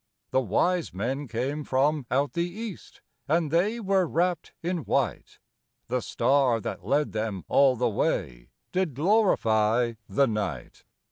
The wise men came from out the east, And they were wrapped in white; The star that led them all the way Did glorify the night.